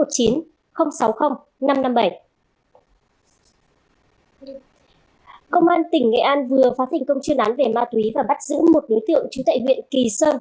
công an tỉnh nghệ an vừa phá thành công chuyên án về ma túy và bắt giữ một đối tượng trú tại huyện kỳ sơn